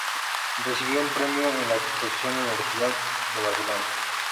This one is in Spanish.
Recibió un premio en la Exposición Universal de Barcelona.